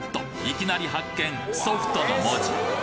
いきなり発見「ソフト」の文字！